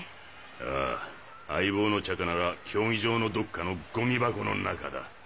ああ相棒のチャカなら競技場のどっかのゴミ箱の中だ。